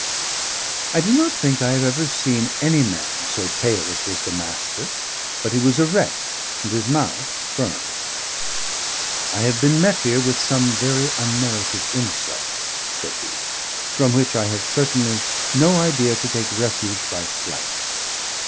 I do not think I have ever seen any man so pale as was the Master; but he was erect and his mouth firm. "I have been met here with some very unmerited insults," said he, "from which I have certainly no idea to take refuge by flight.